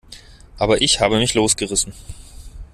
Aber ich habe mich losgerissen.